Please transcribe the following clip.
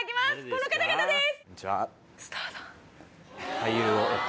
この方々です。